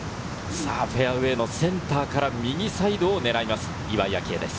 フェアウエーのセンターから右サイドを狙います、岩井明愛です。